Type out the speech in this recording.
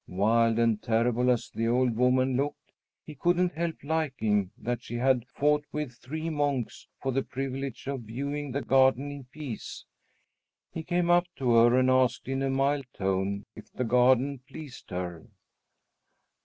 Wild and terrible as the old woman looked, he couldn't help liking that she had fought with three monks for the privilege of viewing the garden in peace. He came up to her and asked in a mild tone if the garden pleased her.